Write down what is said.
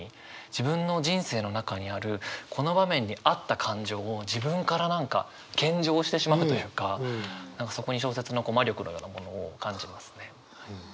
自分の人生の中にあるこの場面に合った感情を自分から何か献上してしまうというか何かそこに小説の魔力のようなものを感じますね。